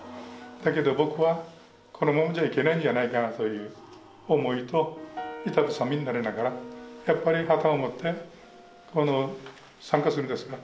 だけど僕はこのままじゃいけないんじゃないかなという思いと板挟みになりながらやっぱり旗を持ってこの参加するんですね。